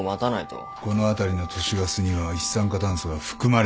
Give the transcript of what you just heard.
この辺りの都市ガスには一酸化炭素が含まれていない。